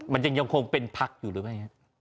มันยังคงเป็นภักดิ์อยู่หรือเปล่า